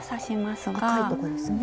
赤いとこですね。